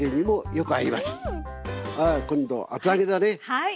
はい。